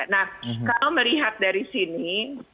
nah kalau melihat dari sini